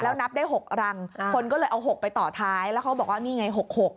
แล้วนับได้๖รังคนก็เลยเอา๖ไปต่อท้ายแล้วเขาบอกว่านี่ไง๖๖